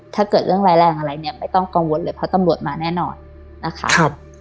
ถ้าเกิดเรื่องร้ายแรงอะไรเนี่ยไม่ต้องกังวลเลยเพราะตำรวจมาแน่นอนนะคะ